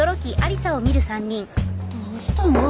どうしたの？